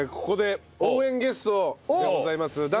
ここで応援ゲストでございます。